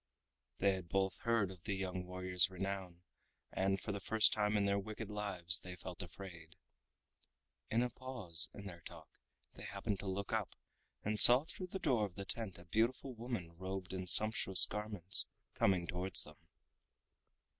They had both heard of the young warrior's renown, and for the first time in their wicked lives they felt afraid. In a pause in their talk they happened to look up, and saw through the door of the tent a beautiful woman robed in sumptuous garments coming towards them.